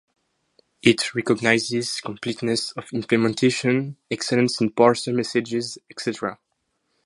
It recognizes "completeness of implementation, excellence in parser messages, etc".